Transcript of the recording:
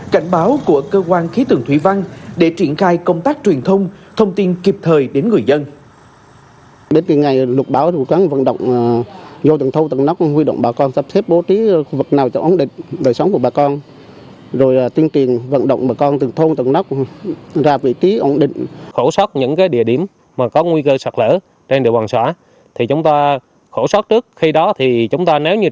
cảnh báo của cơ quan khí tường thủy văn để triển khai công tác truyền thông